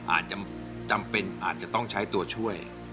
อาจจะจำเป็นอาจจะต้องใช้ตัวช่วย